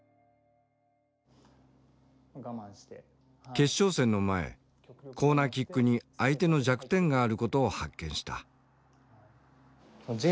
決勝戦の前コーナーキックに相手の弱点があることを発見した。